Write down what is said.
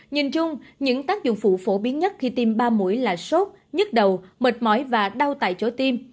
nhìn chung những tác dụng phụ phổ biến nhất khi tiêm ba mũi là sốt nhức đầu mệt mỏi và đau tại chỗ tim